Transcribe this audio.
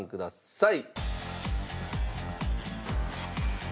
はい。